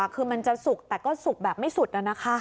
คือมันจะสุกแต่ก็สุกแบบไม่สุดนะคะ